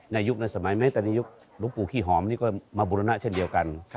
ในยุคในสมัยไหมตอนนี้ยุคหลวงปู่ขี้หอมนี่ก็มาบุรณะเช่นเดียวกัน